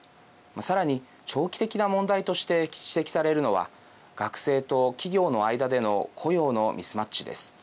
さらに、長期的な問題として指摘されるのは学生と企業の間での雇用のミスマッチです。